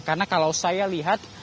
karena kalau saya lihat